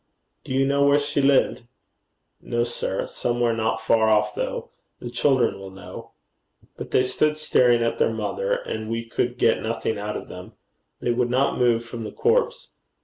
'Do you know where she lived?' 'No, sir. Somewhere not far off, though. The children will know.' But they stood staring at their mother, and we could get nothing out of them. They would not move from the corpse.